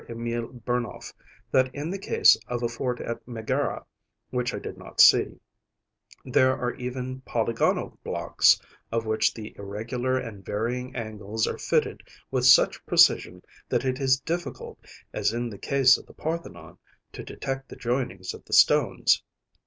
√Čmile Burnouf, that in the case of a fort at Megara, which I did not see, there are even polygonal blocks, of which the irregular and varying angles are fitted with such precision that it is difficult, as in the case of the Parthenon, to detect the joinings of the stones.